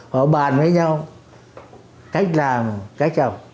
họ bàn với nhau cách làm cách học